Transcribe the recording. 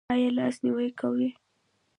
ایا لاس نیوی کوئ؟